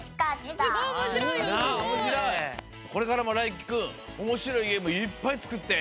これからもらいきくんおもしろいゲームいっぱいつくって！